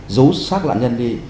dấu sát lạng nhân đi